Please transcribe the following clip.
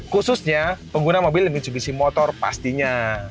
khususnya pengguna mobil mitsubishi motor pastinya